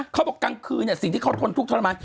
กลางคืนสิ่งที่เขาทนทุกข์ทรมาน